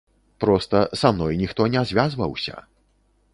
Проста са мной ніхто не звязваўся.